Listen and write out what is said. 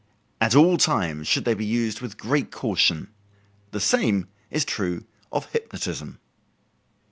At all times should they be used with great caution. The same is true of hypnotism.